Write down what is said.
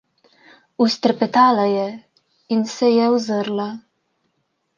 Vztrepetala je in se je ozrla.